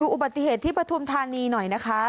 อุบัติเหตุที่ปฐุมธานีหน่อยนะคะ